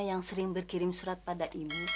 yang sering berkirim surat pada ibu